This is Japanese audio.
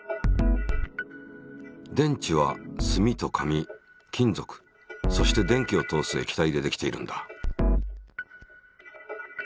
電池は炭と紙金属そして電気を通す液体で出来ているんだ。